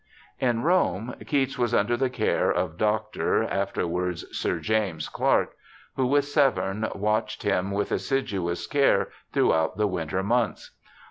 ^ In Rome, Keats was under the care of Dr. (afterwards Sir James) Clark, who, with Severn, watched him with assiduous care throughout the winter months.